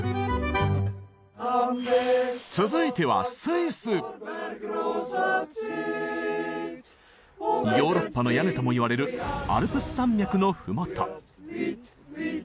続いてはヨーロッパの屋根ともいわれるアルプス山脈の麓。